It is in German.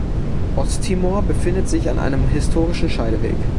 Osttimor befindet sich an einem historischen Scheideweg.